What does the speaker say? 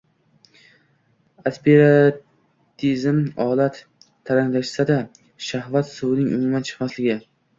Aspermatizm – olat taranglashsa-da shahvat suvining umuman chiqmasligi.